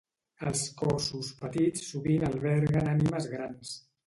Els cossos petits sovint alberguen ànimes grans.